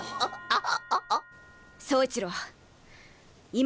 あっ！